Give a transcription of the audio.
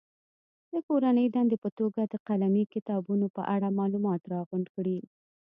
د کورنۍ دندې په توګه د قلمي کتابونو په اړه معلومات راغونډ کړي.